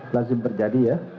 lazim terjadi ya